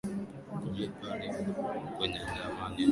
kulipa riba kwenye dhamana za serikali